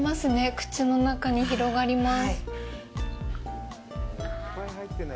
口の中に広がります。